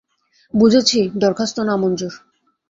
বুঝেছি, দরখাস্ত নামঞ্জুর।